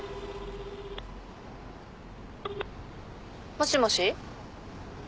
もしもし。